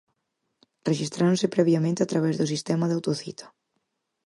Rexistráronse previamente a través do sistema de autocita.